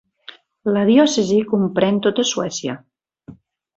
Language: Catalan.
La diòcesi comprèn tota Suècia.